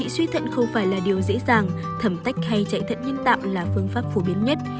suy thận không phải là điều dễ dàng thẩm tách hay chạy thận nhân tạo là phương pháp phổ biến nhất